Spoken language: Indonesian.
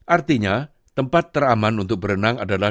artinya tempat teraman untuk berenang adalah